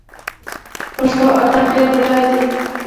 پښتو ادب ډیر بډای دی